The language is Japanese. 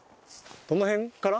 この辺から？